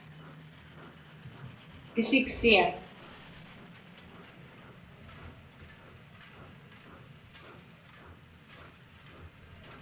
pisiksia